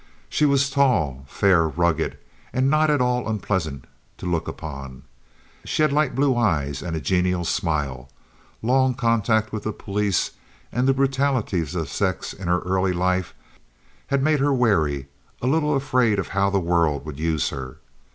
She was tall, fair, rugged, and not at all unpleasant to look upon. She had light blue eyes and a genial smile. Long contact with the police and the brutalities of sex in her early life had made her wary, a little afraid of how the world would use her.